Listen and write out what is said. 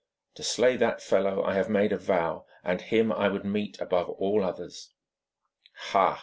To slay that fellow I have made a vow, and him I would meet above all others.' 'Ha!'